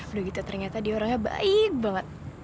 udah gitu ternyata dia orangnya baik banget